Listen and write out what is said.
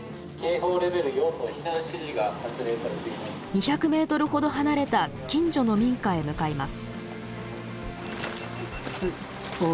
２００ｍほど離れた近所の民家へ向かいます。